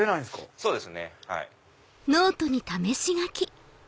そうですね。